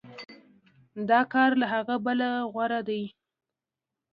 دا کار له هغه بل غوره دی.